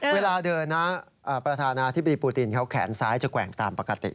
เวลาเดินนะประธานาธิบดีปูตินเขาแขนซ้ายจะแกว่งตามปกติ